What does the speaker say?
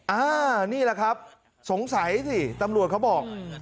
อ่านี่แหละครับสงสัยสิตำรวจเขาบอก